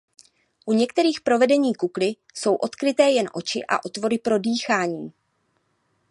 U některých provedení kukly jsou odkryté jen oči a otvory pro dýchání.